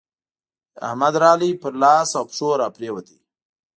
احمد راغی؛ پر لاس او پښو راپرېوت.